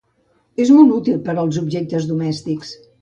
És molt útil per als objectes domèstics.